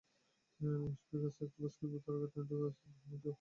লাস ভেগাসে এসে বাস্কেটবল তারকা ট্রেভর আরিজা, জেমস হার্ডেনের দেখা পেয়েছেন।